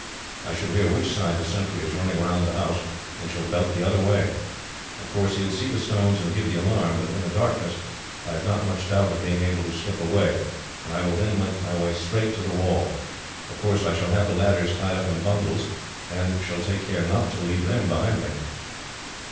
I shall hear which side the sentry is running round the house, and shall belt the other way. Of course, he will see the stones and give the alarm; but in the darkness, I have not much doubt of being able to slip away, and I will then make my way straight to the wall. Of course, I shall have the ladders tied up into bundles, and shall take care not to leave them behind me."